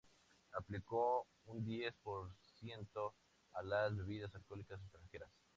Aplicó un diez por ciento a las bebidas alcohólicas extranjeras.